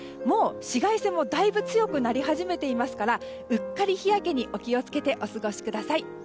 もう紫外線もだいぶ強くなり始めていますからうっかり日焼けにお気をつけてお過ごしください。